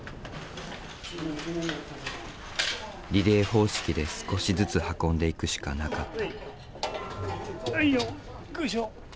リレー方式で少しずつ運んでいくしかなかった。